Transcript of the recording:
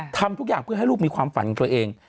ทำทุกอย่างเพื่อให้ลูกมีความฝันของตัวเอง